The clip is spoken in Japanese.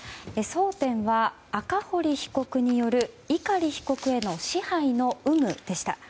争点は、赤堀被告による碇被告への支配の有無でした。